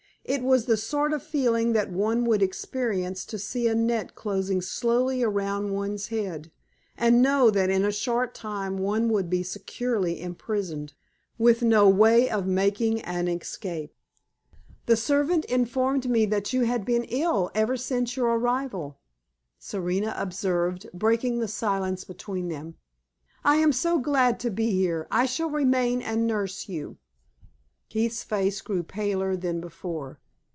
It was the sort of feeling that one would experience to see a net closing slowly around one's head, and know that in a short time one will be securely imprisoned, with no way of making an escape. "The servant informed me that you had been ill ever since your arrival," Serena observed, breaking the silence between them. "I am so glad to be here. I shall remain and nurse you." Keith's face grew paler than before.